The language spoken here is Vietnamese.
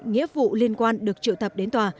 nghĩa vụ liên quan được trự thập đến tòa